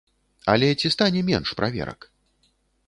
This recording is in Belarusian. Але ці стане менш праверак?